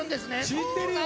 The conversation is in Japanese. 知ってるよ。